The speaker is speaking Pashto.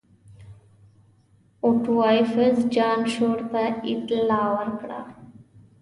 اوټوایفز جان شور ته اطلاع ورکړه.